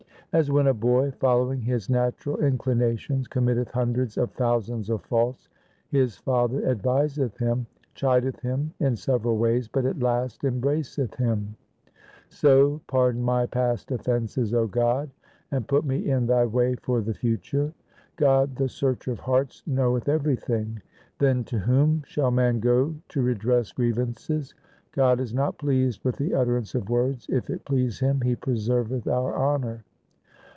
As when a boy following his natural inclinations com mitteth hundreds of thousands of faults, His father adviseth him, chideth him in several ways, but at last embraceth him ; So pardon my past offences, O God, and put me in Thy way for the future. God the Searcher of hearts knoweth everything ; then to whom shall man go to redress grievances ? God is not pleased with the utterance of words ; if it please Him, He preserveth our honour.